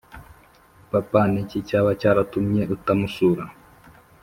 papa n’iki cyaba cyaratumye utamusura